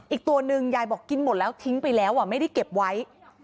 อีกตัวหนึ่งยายบอกกินหมดแล้วทิ้งไปแล้วไม่ได้เก็บไว้